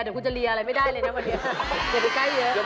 เดี๋ยวคุณจะเรียอะไรไม่ได้เลยนะกว่าเดี๋ยว